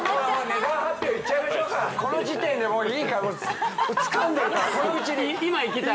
値段発表いっちゃいましょうかこの時点でもういいかもつかんでるからこのうちに今いきたい？